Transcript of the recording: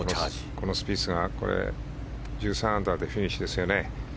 このスピースが１３アンダーでフィニッシュですよね。